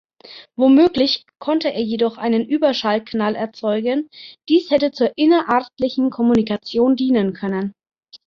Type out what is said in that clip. Womöglich konnte er jedoch einen Überschallknall erzeugen, dies hätte zur innerartlichen Kommunikation dienen können.